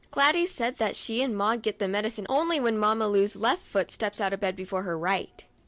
Gladys said that she and Maud get that medicine only when Mamma Lu's left foot steps out of bed before her right.